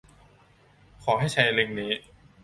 ขอให้ใช้ลิงก์นี้